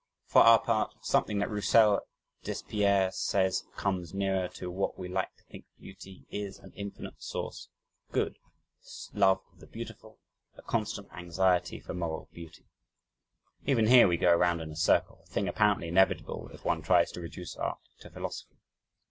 For our part, something that Roussel Despierres says comes nearer to what we like to think beauty is ... "an infinite source of good ... the love of the beautiful ... a constant anxiety for moral beauty." Even here we go around in a circle a thing apparently inevitable, if one tries to reduce art to philosophy.